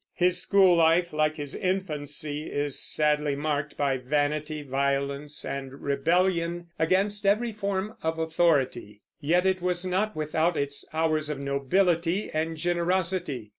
His school life, like his infancy, is sadly marked by vanity, violence, and rebellion against every form of authority; yet it was not without its hours of nobility and generosity.